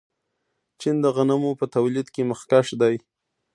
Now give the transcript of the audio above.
چین د غنمو په تولید کې مخکښ دی.